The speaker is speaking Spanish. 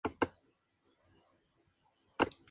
Las canciones en las que Tina canta son "Curious" y "Diamonds".